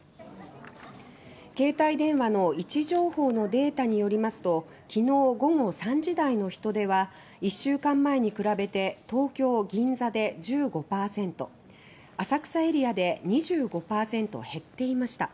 携帯電話の位置情報のデータによりますときのう午後３時台の人出は１週間前に比べて東京・銀座で１５％浅草エリアで２５％減っていました。